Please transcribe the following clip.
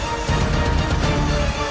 terima kasih raka mam